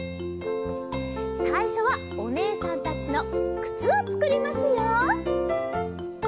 さいしょはおねえさんたちのくつをつくりますよ。